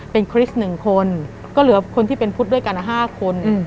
เป็นคริสต์หนึ่งคนก็เหลือคนที่เป็นพุทธด้วยกันอะห้าคนอืม